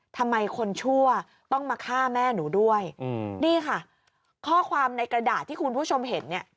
ทำไมคนชั่วต้องมาฆ่าแม่หนูด้วยนี่ค่ะข้อความในกระดาษที่คุณผู้ชมเห็นเนี่ย